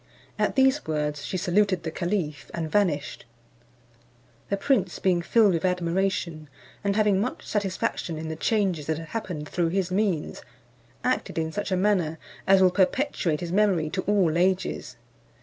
At these words she saluted the caliph, and vanished. The prince being filled with admiration, and having much satisfaction in the changes that had happened through his means, acted in such a manner as will perpetuate his memory to all ages.